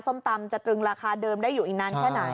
ส้มตำจะตรึงราคาเดิมได้อยู่อีกนานแค่ไหน